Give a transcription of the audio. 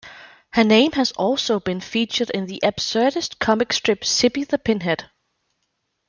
Her name has also been featured in the absurdist comic strip "Zippy the Pinhead".